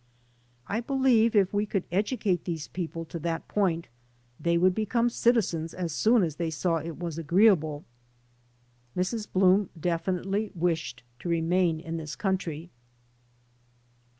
''I believe, if we would educate these people to that point, they would become citizens as soon as th^ saw it was agree able." Mr$. B)oom definitely wished to remain in this country.